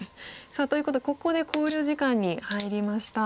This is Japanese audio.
さあということでここで考慮時間に入りました。